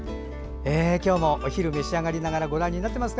今日もお昼を召し上がりながらご覧になっていますか？